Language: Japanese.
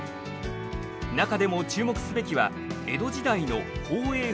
中でも注目すべきは江戸時代の宝永噴火。